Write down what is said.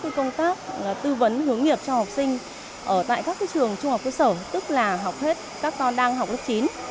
tôi cũng tham gia các công tác tư vấn hướng nghiệp cho học sinh ở các trường trung học cơ sở tức là học hết các con đang học lớp chín